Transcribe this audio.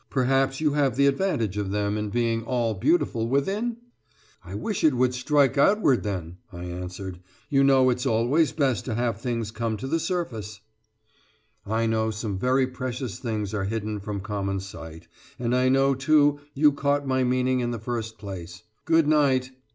Perhaps you have the advantage of them in being all beautiful within?" "I wish it would strike outward then," I answered. "You know it's always best to have things come to the surface!" "I know some very precious things are hidden from common sight; and I know, too, you caught my meaning in the first place. Good night!"